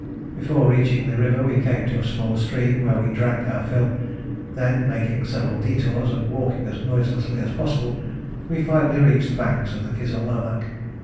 Before reaching the river we came to a small stream where we drank our fill: then making several detours and walking as noiselessly as possible, we finally reached the bank of the Kizil Irmak.